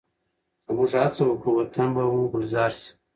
که موږ هڅه وکړو، وطن به مو ګلزار شي.